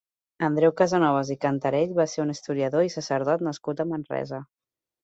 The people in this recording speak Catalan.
Andreu Casanovas i Cantarell va ser un historiador i sacerdot nascut a Manresa.